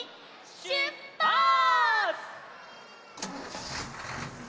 しゅっぱつ！